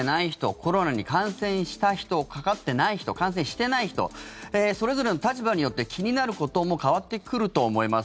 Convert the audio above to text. コロナに感染した人かかってない人、感染してない人それぞれの立場によって気になることも変わってくると思います。